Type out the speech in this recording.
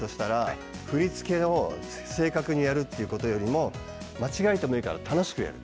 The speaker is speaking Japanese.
振り付けを正確にやるっていうことよりも間違えてもいいから楽しくやる。